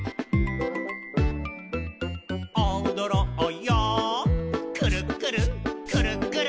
「おどろうよくるっくるくるっくる」